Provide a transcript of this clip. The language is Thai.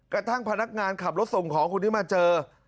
กระทั่งพนักงานขับรถส่งของคนนี้มาเจอ